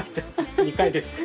２回ですか。